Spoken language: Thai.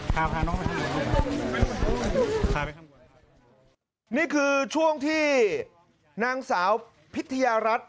ผมขอร้องผมพูดเหนื่อยอย่างนี้ทุกคนค่ะอย่างแท้ผมครับ